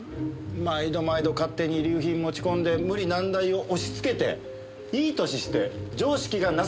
毎度毎度勝手に遺留品持ち込んで無理難題を押し付けていい歳して常識がなさすぎます！